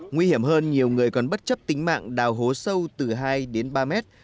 nguy hiểm hơn nhiều người còn bất chấp tính mạng đào hố sâu từ hai đến ba mét